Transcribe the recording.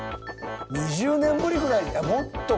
２０年ぶりぐらいいやもっとか。